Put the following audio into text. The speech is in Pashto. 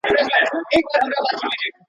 زرکي هم کرار کرار هوښیارېدلې `